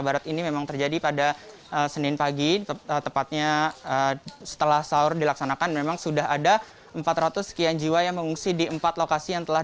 pemprov dki jakarta